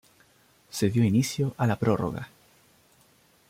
Se dio inicio a la prórroga.